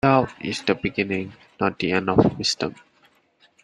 Doubt is the beginning, not the end of wisdom